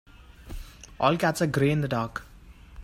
All cats are grey in the dark.